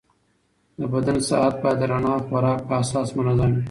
د بدن ساعت باید د رڼا او خوراک په اساس منظم وي.